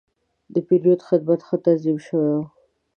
د پیرود خدمت ښه تنظیم شوی و.